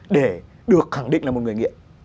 để được khẳng định là một người nghiện